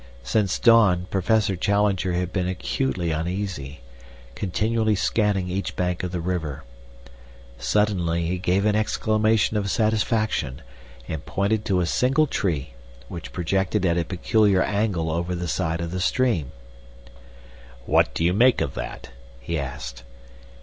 Since dawn Professor Challenger had been acutely uneasy, continually scanning each bank of the river. Suddenly he gave an exclamation of satisfaction and pointed to a single tree, which projected at a peculiar angle over the side of the stream. "What do you make of that?" he asked.